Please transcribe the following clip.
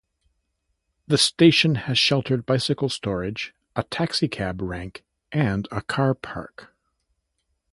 The station has sheltered bicycle storage, a taxicab rank, and a car park.